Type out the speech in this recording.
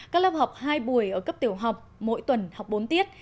các lớp học hai buổi ở cấp tiểu học mỗi tuần học bốn tiết